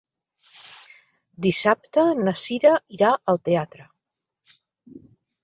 Dissabte na Sira irà al teatre.